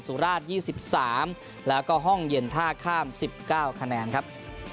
สุราชยี่สิบสามแล้วก็ห้องเย็นท่าข้ามสิบเก้าคะแนนครับ